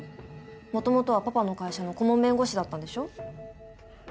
もともとはパパの会社の顧問弁護士だったんでしょ？